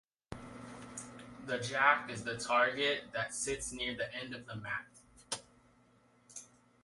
The 'jack' is the target that sits near the end of the mat.